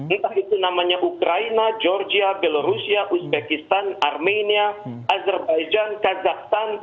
entah itu namanya ukraina georgia belorusia uzbekistan armenia azerbaijan kazakhstan